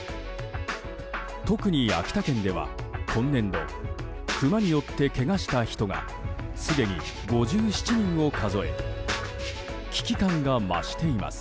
特に秋田県では今年度クマによってけがした人がすでに５７人を数え危機感が増しています。